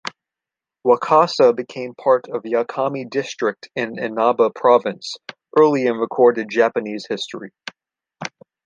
Wakasa became part of Yakami District in Inaba Province early in recorded Japanese history.